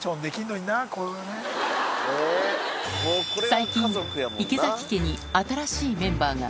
最近、池崎家に新しいメンバーが。